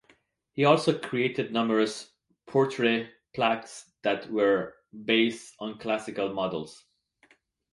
He also created numerous portrait plaques that were based on Classical models.